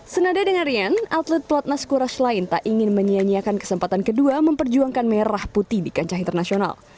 senada dengan rian atlet pelatnas courage lain tak ingin menyianyiakan kesempatan kedua memperjuangkan merah putih di kancah internasional